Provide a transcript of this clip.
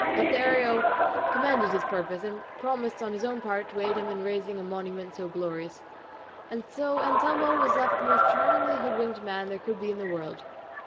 Lothario commended his purpose, and promised on his own part to aid him in raising a monument so glorious. And so Anselmo was left the most charmingly hoodwinked man there could be in the world.